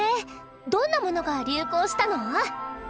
どんなものが流行したの？